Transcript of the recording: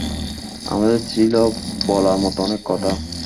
আমাদের ছিল বলার মতো অনেক কথা!